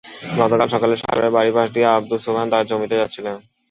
গতকাল সকালে সাগরের বাড়ির পাশ দিয়ে আবদুস সোবহান তাঁর জমিতে যাচ্ছিলেন।